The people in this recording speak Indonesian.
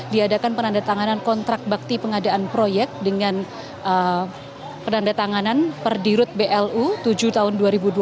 diadakan penandatanganan kontrak bakti pengadaan proyek dengan penanda tanganan per dirut blu tujuh tahun dua ribu dua puluh